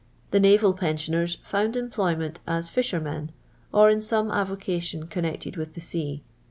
The naval pen sioners found employment as fishermen, or in some avocation connected with the sea.